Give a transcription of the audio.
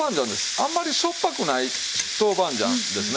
あんまりしょっぱくない豆板醤ですね。